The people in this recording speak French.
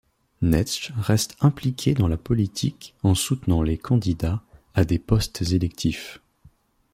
Netsch reste impliquée dans la politique en soutenant les candidats à des postes électifs.